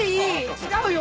違うよ！